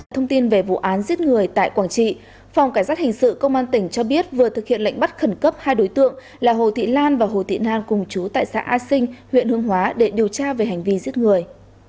thông tin về vụ án giết người tại quảng trị phòng cảnh sát hình sự công an tỉnh cho biết vừa thực hiện lệnh bắt khẩn cấp hai đối tượng là hồ thị lan và hồ thị na cùng chú tại xã a sinh huyện hương hóa để điều tra về hành vi giết người